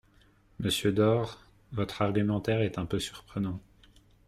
Monsieur Door, votre argumentaire est un peu surprenant.